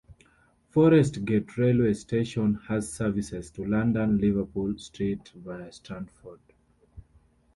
Forest Gate railway station has services to London Liverpool Street via Stratford.